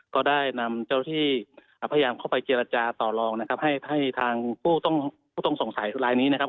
ก็ได้นำเจ้าที่พยายามเข้าไปเจรจาต่อลองนะครับให้ทางผู้ต้องผู้ต้องสงสัยลายนี้นะครับ